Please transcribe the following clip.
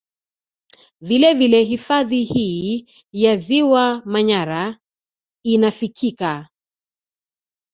Vile vile hifadhi hii ya ziwa Manyara inafikika